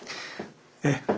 ええ。